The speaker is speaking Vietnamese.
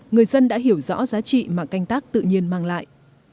người dân đã hiểu rõ giá trị mà canh tác tự nhiên mang lại